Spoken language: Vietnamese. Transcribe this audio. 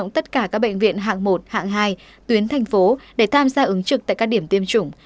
tất cả các bệnh viện hạng một hạng hai tuyến thành phố để tham gia ứng trực tại các điểm tiêm chủng